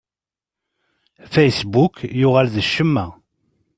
Facebook yuɣal d ccemma.